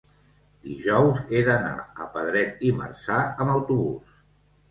dijous he d'anar a Pedret i Marzà amb autobús.